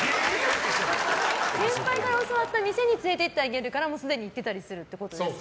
先輩から教わった店に連れて行ってあげるからもうすでに行ってたりするってことですか。